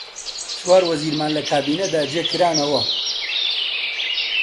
چوار وەزیرمان لە کابینەدا جێ کرانەوە: